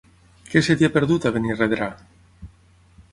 Què se t'hi ha perdut, a Benirredrà?